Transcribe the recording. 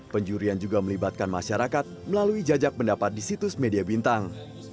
penjurian juga melibatkan masyarakat melalui jajak pendapat di situs media bintang